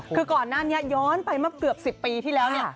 คือก่อนนานนี้ย้อนไปเกือบ๑๐ปีที่แล้วนี่